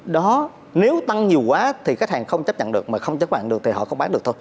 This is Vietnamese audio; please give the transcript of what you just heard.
đó nếu tăng nhiều quá thì khách hàng không chấp nhận được mà không chấp bằng được thì họ không bán được thôi